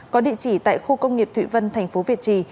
có địa chỉ tại khu công nghiệp thụy vân thành phố việt trì